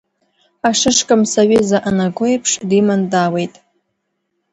Ашышкамс аҩыза анаго еиԥш диман даауеит.